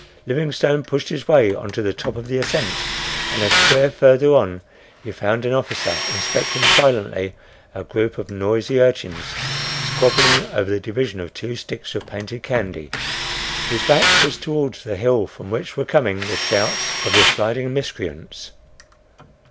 Livingstone pushed his way on to the top of the ascent, and a square further on he found an officer inspecting silently a group of noisy urchins squabbling over the division of two sticks of painted candy. His back was towards the hill from which were coming the shouts of the sliding miscreants.